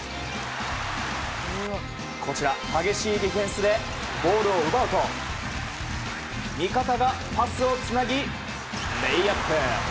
こちら激しいディフェンスでボールを奪うと味方がパスをつなぎレイアップ。